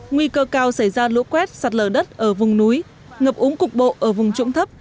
nguy cơ cao xảy ra lũ quét sạt lở đất ở vùng núi ngập úng cục bộ ở vùng trũng thấp